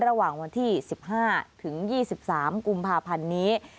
ระหว่างวันที่๑๕ถึง๒๓กุมภาพันธ์นี้